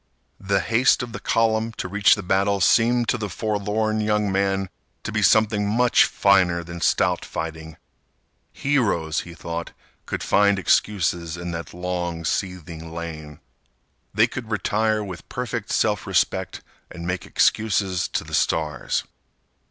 The haste of the column to reach the battle seemed to the forlorn young man to be something much finer than stout fighting. Heroes, he thought, could find excuses in that long seething lane. They could retire with perfect self respect and make excuses to the stars.